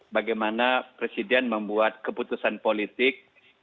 bagaimana presiden membuat keputusan politik